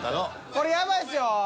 これやばいっすよ。